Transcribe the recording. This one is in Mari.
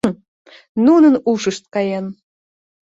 “Нунын ушышт каен!